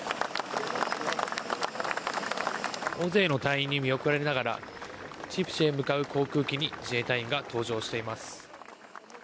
大勢の隊員に見送られながらジブチへ向かう航空機に搭乗しています。